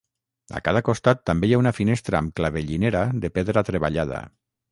A cada costat també hi ha una finestra amb clavellinera de pedra treballada.